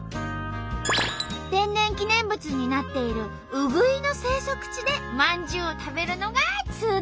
天然記念物になっているうぐいの生息地でまんじゅうを食べるのが通なんだって。